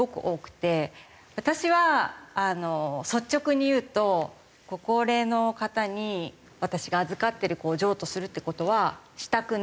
私は率直に言うとご高齢の方に私が預かってる子を譲渡するって事はしたくない。